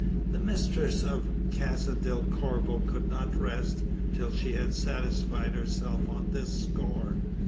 The mistress of Casa del Corvo could not rest, till she had satisfied herself on this score.